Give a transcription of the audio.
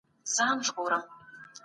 که څېړنه ونه کړئ نو پایله به غلطه وي.